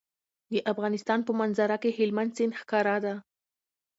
د افغانستان په منظره کې هلمند سیند ښکاره ده.